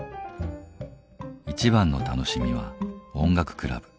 一番の楽しみは音楽クラブ。